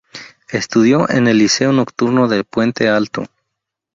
Estudió en el Liceo Nocturno de Puente Alto.